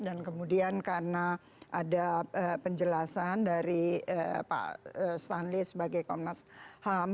dan kemudian karena ada penjelasan dari pak stanley sebagai komnas ham